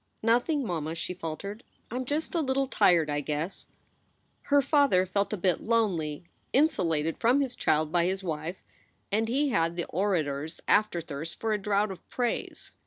"Nothing, mamma," she faltered. "I m just a little tired, I guess." Her father felt a bit lonely, insulated from his child by his wife; and he had the orator s afterthirst for a draught of praise.